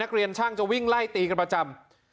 เรียนช่างจะวิ่งไล่ตีกันประจำ